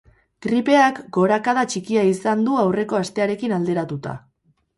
Gripeak gorakada txikia izan du aurreko astearekin alderatuta.